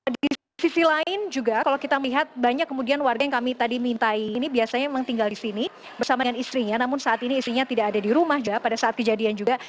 di sisi lain juga kalau kita melihat banyak kemudian warga yang kami tadi mintai ini biasanya memang tinggal di sini bersama dengan istrinya namun saat ini istrinya tidak ada di rumah pada saat kejadian juga